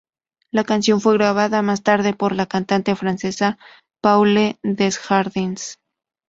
La canción fue grabada más tarde por la cantante francesa Paule Desjardins.